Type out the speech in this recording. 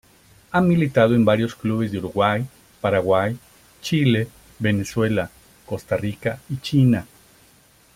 Ha militado en varios clubes de Uruguay, Paraguay, Chile, Venezuela, Costa Rica y China.